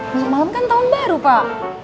besok malem kan tahun baru pak